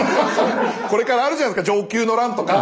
これからあるじゃないですか承久の乱とか！